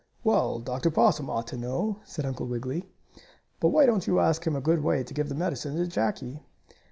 "Well, Dr. Possum ought to know," said Uncle Wiggily. "But why don't you ask him a good way to give the medicine to Jackie?"